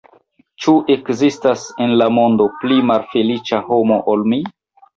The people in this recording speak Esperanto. Ĉu ekzistas en la mondo pli malfeliĉa homo ol mi?